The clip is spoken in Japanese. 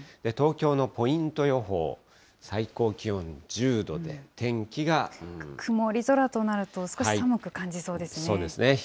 東京のポイント予報、最高気温１曇り空となると、少し寒く感そうですね。